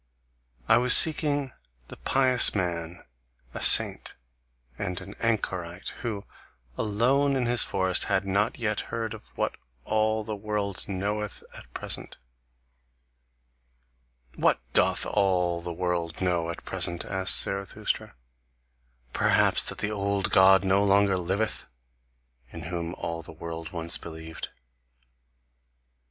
I was seeking the pious man, a saint and an anchorite, who, alone in his forest, had not yet heard of what all the world knoweth at present." "WHAT doth all the world know at present?" asked Zarathustra. "Perhaps that the old God no longer liveth, in whom all the world once believed?"